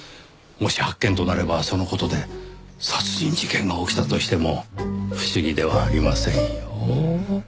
もし発見となればその事で殺人事件が起きたとしても不思議ではありませんよ。